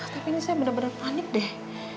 tapi ini saya bener bener panik deh